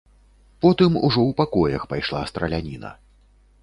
Потым ужо ў пакоях пайшла страляніна.